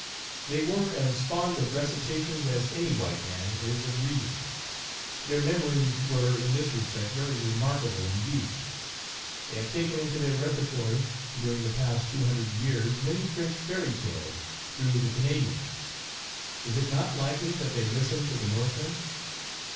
They were as fond of recitations as any white man is of reading. Their memories were in this respect very remarkable indeed. They have taken into their repertory during the past two hundred years many French fairy tales, through the Canadians. Is it not likely that they listened to the Northmen